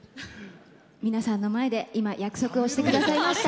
皆さんの前で今約束をしてくださいました。